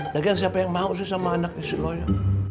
lagi siapa yang mau sih sama anak istri lo ya